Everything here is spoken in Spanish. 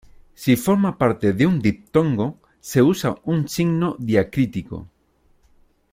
Si forma parte de un diptongo, se usa un signo diacrítico.